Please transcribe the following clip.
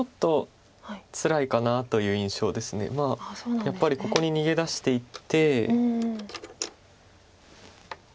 やっぱりここに逃げ出していって。